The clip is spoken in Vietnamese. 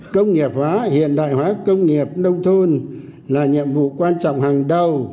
công nghiệp hóa hiện đại hóa công nghiệp nông thôn là nhiệm vụ quan trọng hàng đầu